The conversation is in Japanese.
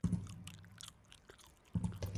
休日はもっと必要。